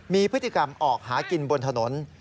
มีพฤติกรรมออกหากินบนถนน